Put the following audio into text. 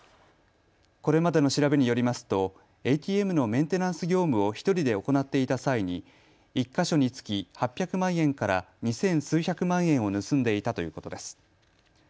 これまでの調べによりますとＡＴＭのメンテナンス業務を１人で行っていた際に１か所につき８００万円から２千数百万円を盗んでいたということです。